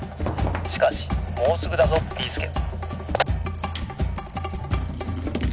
しかしもうすぐだぞビーすけ！」。